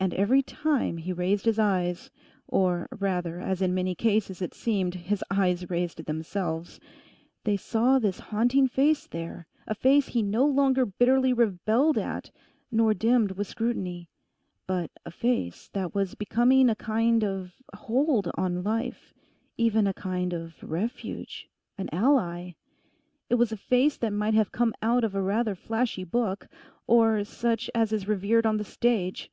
And every time he raised his eyes, or, rather, as in many cases it seemed, his eyes raised themselves, they saw this haunting face there—a face he no longer bitterly rebelled at, nor dimmed with scrutiny, but a face that was becoming a kind of hold on life, even a kind of refuge, an ally. It was a face that might have come out of a rather flashy book; or such as is revered on the stage.